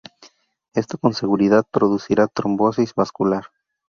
Esto con seguridad producirá trombosis vascular.